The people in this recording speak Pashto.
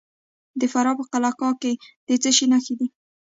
د فراه په قلعه کاه کې د څه شي نښې دي؟